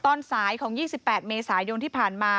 ตอนสายของ๒๘เมษายนที่ผ่านมา